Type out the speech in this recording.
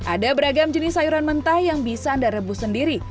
ada beragam jenis sayuran mentah yang bisa anda rebus sendiri